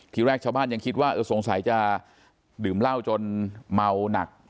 ทีแรกชาวบ้านยังคิดว่าสงสัยจะดื่มเหล้าจนเมาหนัก